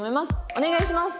お願いします！